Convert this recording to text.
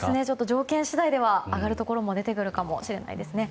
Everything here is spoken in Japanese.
条件次第で上がるところも出てくるかもしれないですね。